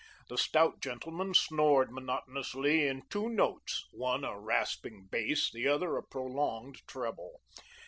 The stout gentleman snored monotonously in two notes, one a rasping bass, the other a prolonged treble.